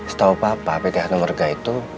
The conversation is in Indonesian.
setau papa pt hanumerga itu